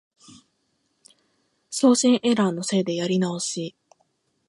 送信エラーのせいでやり直し